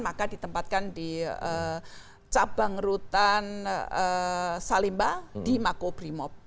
maka ditempatkan di cabang rutan salimba di makobrimob